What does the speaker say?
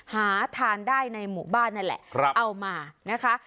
หาทานได้ในหมู่บ้านนั่นแหละเอามานะคะ